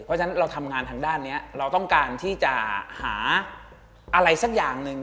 เพราะฉะนั้นเราทำงานทางด้านนี้เราต้องการที่จะหาอะไรสักอย่างหนึ่ง